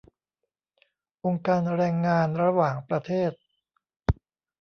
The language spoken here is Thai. องค์การแรงงานระหว่างประเทศ